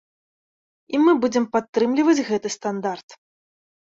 І мы будзем падтрымліваць гэты стандарт.